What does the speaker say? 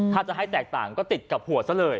ถ้าจะให้แตกต่างก็ติดกับหัวซะเลย